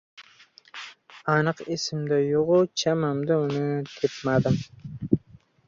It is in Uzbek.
— Aniq esimda yo‘g‘-u, chamamda uni tepmadim.